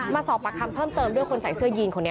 มาสอบปากคำเพิ่มเติมด้วยคนใส่เสื้อยีนคนนี้